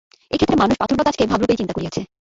এই ক্ষেত্রে মানুষ পাথর বা গাছকে ভাবরূপেই চিন্তা করিয়াছে।